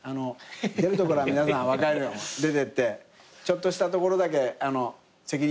出るところは皆さん若いの出ていってちょっとしたところだけ責任負います！みたいな。